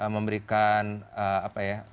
memberikan apa ya